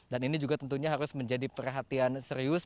dan ini juga tentunya harus menjadi perhatian serius